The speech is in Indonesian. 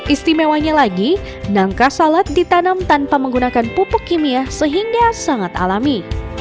istimewanya lagi nangka salad ditanam tanpa menggunakan pupuk kimia sehingga sangat alami